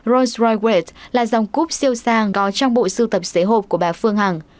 rolls royce great là dòng cúp siêu sang có trong bộ sưu tập xế hộp của bà phương hằng